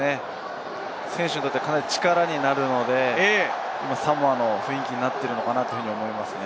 選手にとってかなり力になるので、サモアの雰囲気になっているのかなと思います。